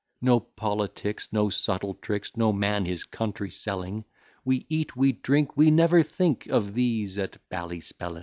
No politics, no subtle tricks, No man his country selling: We eat, we drink; we never think Of these at Ballyspellin.